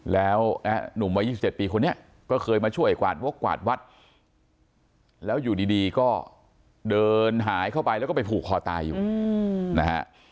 แล้วหนุ่มวัย๒๗ปีคนนี้ก็เคยมาช่วยกวาดวกกวาดวัดแล้วอยู่ดีก็เดินหายเข้าไปแล้วก็ไปผูกคอตายอยู่นะฮะ